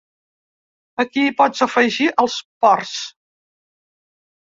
Aquí hi pots afegir els ports.